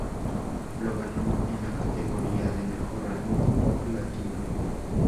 Lo ganó en la categoría de Mejor álbum pop latino.